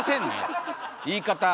言い方！